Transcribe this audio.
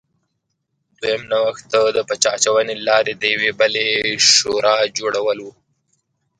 دویم نوښت د پچه اچونې له لارې د یوې بلې شورا جوړول و